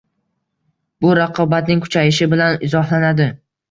Bu raqobatning kuchayishi bilan izohlanadi.